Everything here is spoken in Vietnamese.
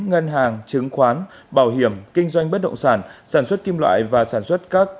ngân hàng chứng khoán bảo hiểm kinh doanh bất động sản sản xuất kim loại và sản xuất các